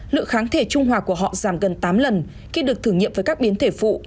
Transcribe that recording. lượng kháng thể trung hòa của họ giảm gần tám lần khi được thử nghiệm với các biến thể phụ